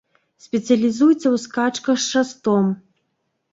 Спецыялізуецца ў скачках з шастом.